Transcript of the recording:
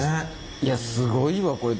いやすごいわこれ。